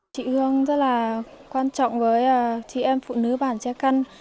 chị hương rất là quan trọng với chị em phụ nữ bản che căn